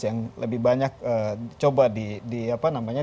yang lebih banyak coba diungkapkan ya